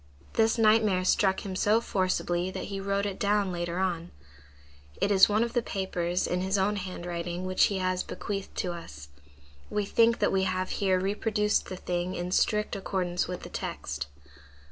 This nightmare struck him so forcibly that he wrote it down later on. It is one of the papers in his own handwriting which he has bequeathed to us. We think that we have here reproduced the thing in strict accordance with the text.